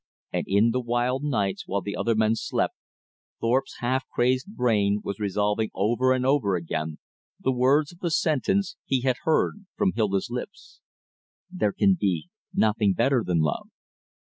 And in the wild nights while the other men slept, Thorpe's half crazed brain was revolving over and over again the words of the sentence he had heard from Hilda's lips: "There can be nothing better than love."